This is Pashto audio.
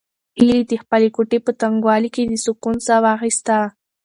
هیلې د خپلې کوټې په تنګوالي کې د سکون ساه واخیسته.